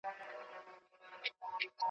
هر څوک بايد د ژبې اصول زده کړي.